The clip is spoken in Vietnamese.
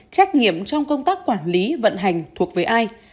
trách nhiệm trong công tác quản lý vận hành thuộc về ai